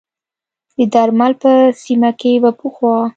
د درمسال په سیمه کې به پخوا